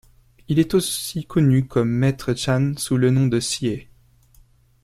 Il est aussi connu comme maître chán sous le nom de Xihe.